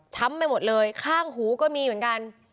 ไปหมดเลยข้างหูก็มีเหมือนกัน